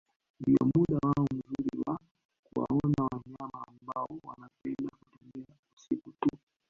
Ndio muda wao mzuri wa kuwaona wanyama ambao wanapenda kutembea usiku tu